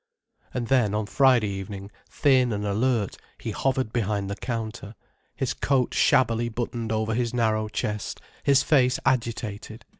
And then, on Friday evening, thin and alert he hovered behind the counter, his coat shabbily buttoned over his narrow chest, his face agitated.